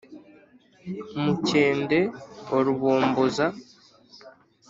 mukende wa rubomboza